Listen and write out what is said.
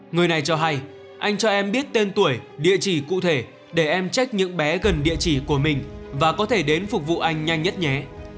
người này cho hay anh cho em biết tên tuổi địa chỉ cụ thể để em trách những bé gần địa chỉ của mình và có thể đến phục vụ anh nhanh nhất nhé